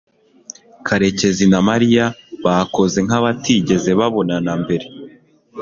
karekezi na mariya bakoze nka batigeze babonana mbere